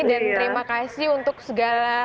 dan terima kasih untuk segala